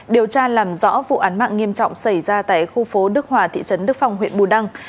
điều tra làm rõ vụ án mạng nghiêm trọng xảy ra tại khu phố đức hòa thị trấn đức phong huyện bù đăng